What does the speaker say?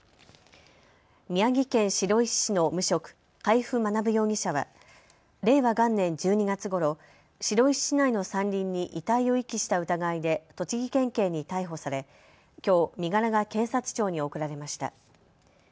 宮城県白石市の無職、海部学容疑者は令和元年１２月ごろ白石市内の山林に遺体を遺棄した疑いで栃木県警に逮捕されきょう、身柄が検察庁に送られました。